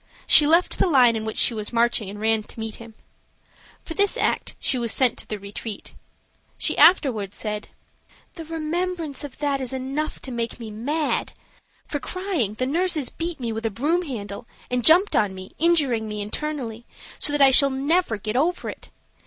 She left the line in which she was marching and ran to meet him. For this act she was sent to the Retreat. She afterward said: "The remembrance of that is enough to make me mad. For crying the nurses beat me with a broom handle and jumped on me, injuring me internally, so that I shall never get over it.